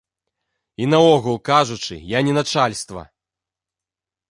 І наогул кажучы, я не начальства!